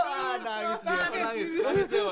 wah nangis dia